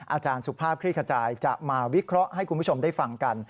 อาจารย์สุภาพคลี่ขจายจะมาวิเคราะห์ให้คุณผู้ชมได้ฟังกัน